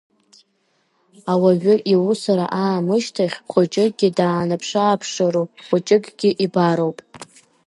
Ауаҩы иусура аамышьҭахь хәыҷыкгьы даанаԥшы-ааԥшыроуп, хәыҷыкгьы ибароуп…